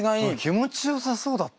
気持ちよさそうだった。